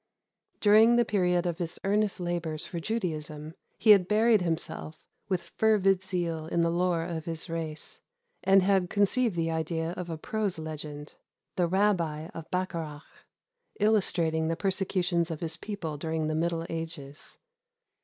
During the period of his earnest labors for Judaism, he had buried himself with fervid zeal in the lore of his race, and had conceived the idea of a prose legend, the Rabbi of Bacharach, illustrating the persecutions of his people during the middle ages.